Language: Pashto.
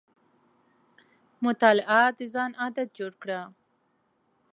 مطالعه د ځان عادت جوړ کړه.